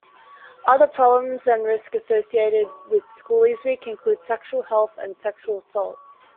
Other problems and risk associated with schoolies week include sexual health and sexual assault.